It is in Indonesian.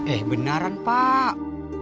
eh benaran pak